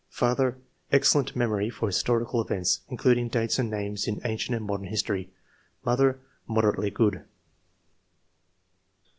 Father — Excellent memory for historicjil events, including dates and names in ancient and modern history. Mother — Moderately good."